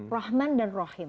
rahman dan rahim